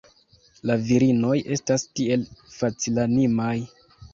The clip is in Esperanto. La virinoj estas tiel facilanimaj.